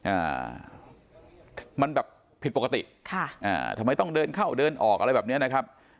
อ่ามันแบบผิดปกติค่ะอ่าทำไมต้องเดินเข้าเดินออกอะไรแบบเนี้ยนะครับ